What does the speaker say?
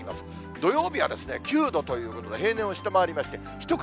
土曜日は９度ということで、平年を下回りまして１桁。